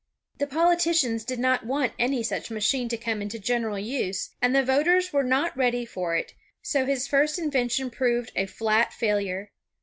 The politi cians did not want any such machine to come into general use, and the voters were not ready for it, so his first in vention proved a flat failure.